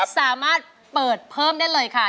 สามารถเปิดเพิ่มได้เลยค่ะ